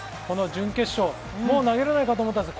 準決勝、もう投げられないかと思ったんです。